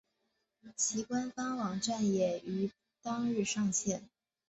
其官方网站也于当日上线。